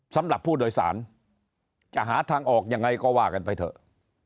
สำหรับผู้โดยสารจะหาทางออกยังไงก็ว่ากันไปเถอะ